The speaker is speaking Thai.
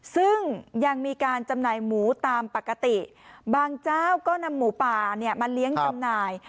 ซึ่งยังมีการจำหน่ายหมูตามปกติบางเจ้าก็นำหมูป่าเนี่ยมาเลี้ยงจำหน่าย